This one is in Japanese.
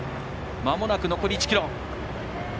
まもなく残り１ｋｍ。